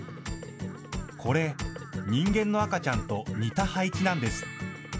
これ、人間の赤ちゃんと似た配置なんです。